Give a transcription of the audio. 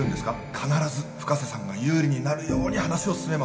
必ず深瀬さんが有利になるように話を進めます